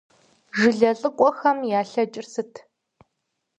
Жылэ лӀыкӀуэхэм ялъэкӀыр сыт?